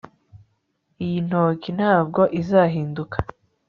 Iyi ntoki ntabwo izahinduka